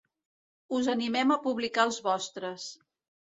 Us animem a publicar els vostres.